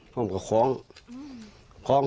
ผมก็คล้อง